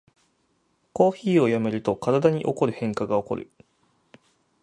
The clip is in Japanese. コーヒーをやめると体に起こる変化がおこる